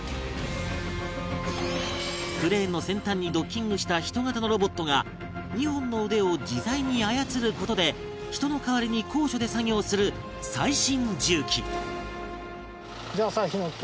クレーンの先端にドッキングした人型のロボットが２本の腕を自在に操る事で人の代わりに高所で作業する最新重機じゃあさ枇乃樹君。